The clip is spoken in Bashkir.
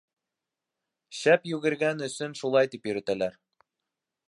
Шәп йүгергән өсөн шулай тип йөрөтәләр.